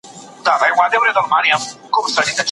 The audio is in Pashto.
د ماشوم بدن لږو اوبو ته اړتیا لري.